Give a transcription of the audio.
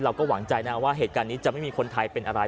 เราก็หวังใจนะว่าเหตุการณ์นี้จะไม่มีคนไทยเป็นอะไร